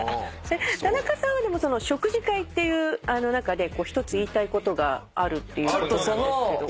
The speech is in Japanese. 田中さんは食事会っていう中で一つ言いたいことがあるっていうことなんですけど。